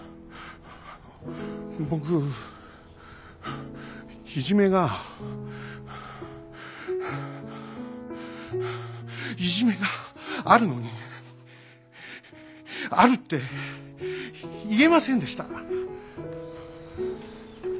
僕いじめがいじめがあるのにあるって言えませんでした。